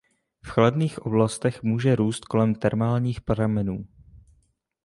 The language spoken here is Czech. V chladných oblastech může růst kolem termálních pramenů.